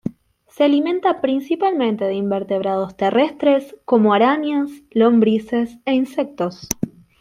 Se alimenta principalmente de invertebrados terrestres, como arañas, lombrices e insectos.